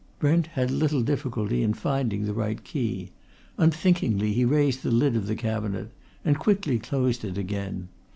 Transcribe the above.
Brent had little difficulty in finding the right key. Unthinkingly, he raised the lid of the cabinet and quickly closed it again.